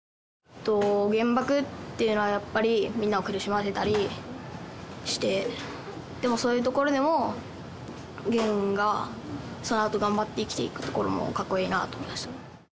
原爆っていうのはやっぱり、みんなを苦しませたりして、でも、そういうところでもゲンが頑張って、そのあと頑張って生きていくところもかっこいいなと思いました。